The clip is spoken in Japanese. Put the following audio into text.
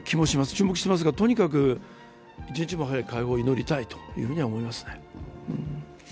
注目してますが、とにかく一日も早く解放を祈りたいと思います。